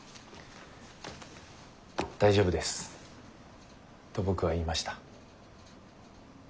「大丈夫です」と僕は言いました。